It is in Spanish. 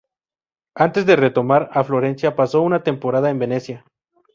Antes de retornar a Florencia pasó una temporada en Venecia.